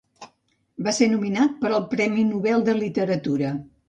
Va ser nominat per al Premi Nobel de Literatura.